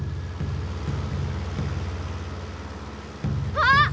あっ！